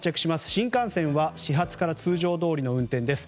新幹線は始発から通常どおりの運転です。